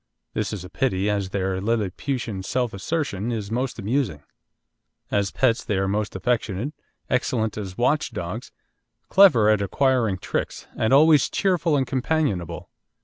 This is a pity, as their lilliputian self assertion is most amusing. As pets they are most affectionate, excellent as watch dogs, clever at acquiring tricks, and always cheerful and companionable.